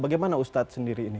bagaimana ustadz sendiri ini